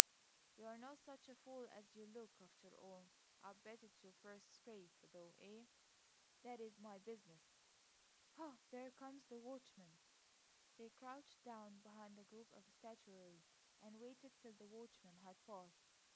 "You're not such a fool as you look, after all! I'll bet it's your first scrape, though, eh?" "That is my business. Ah! there comes the watchman." They crouched down behind the group of statuary and waited till the watchman had passed.